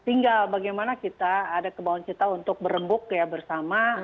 dan tinggal bagaimana kita ada kebawahan kita untuk berembuk ya bersama